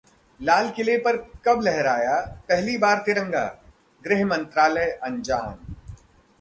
लालकिले पर कब लहराया पहली बार तिरंगा, गृह मंत्रालय अंजान